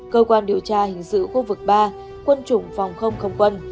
cơ quan điều tra hình sự khu vực ba quân chủng phòng không không quân